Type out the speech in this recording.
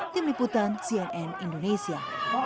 tim liputan cnn indonesia